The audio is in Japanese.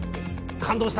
感動した！